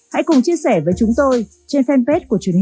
hãy cùng chia sẻ với chúng tôi trên fanpage của truyền hình công an nhân dân